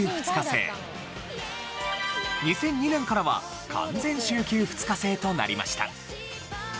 ２００２年からは完全週休２日制となりました。